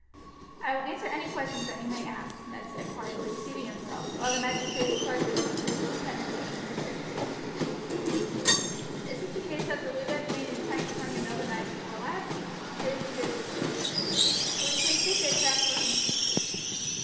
"I will answer any questions that you may ask," Ned said quietly, seating himself, while the magistrates' clerk dipped his pen in the ink and prepared to take notes of his statement. "Is it the case that the Luddites made an attack upon your mill the night before last?" "It is true, sir." "Will you please state the exact circumstances."